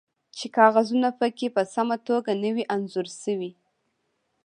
چې کاغذونه پکې په سمه توګه نه وي انځور شوي